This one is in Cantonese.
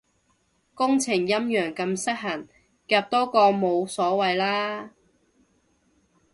工程陰陽咁失衡，夾多個都冇所謂啦